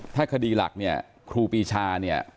ถ้าคดีหลักครูปีชา